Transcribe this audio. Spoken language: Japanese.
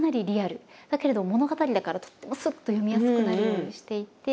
だけれども物語だからとってもすっと読みやすくなるようにしていて。